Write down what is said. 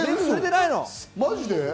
マジで？